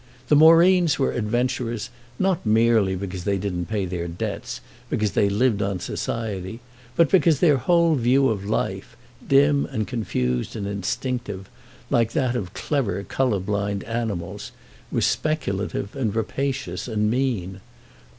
The Moreens were adventurers not merely because they didn't pay their debts, because they lived on society, but because their whole view of life, dim and confused and instinctive, like that of clever colour blind animals, was speculative and rapacious and mean.